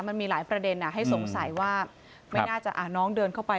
มันมีหลายประเด็นให้สงสัยว่าไม่น่าจะน้องเดินเข้าไป